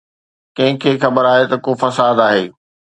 ڪنهن کي خبر آهي ته ڪو فساد آهي؟